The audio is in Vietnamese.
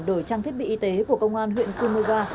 đổi trang thiết bị y tế của công an huyện cư mơ ga